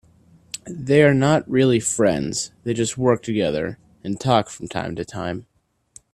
They are not really friends, they just work together and talk from time to time.